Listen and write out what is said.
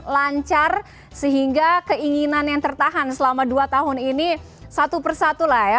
lancar sehingga keinginan yang tertahan selama dua tahun ini satu persatu lah ya